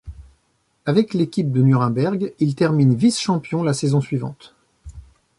Avec l'équipe de Nuremberg, il termine vice-champion la saison suivante.